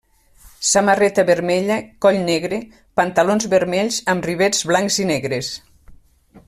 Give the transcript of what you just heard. Samarreta vermella, coll negre, pantalons vermells amb rivets blancs i negres.